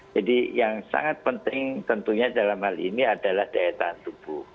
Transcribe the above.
jadi yang sangat penting tentunya dalam hal ini adalah daya tahan tubuh